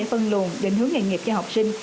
phân luồn định hướng nghề nghiệp cho học sinh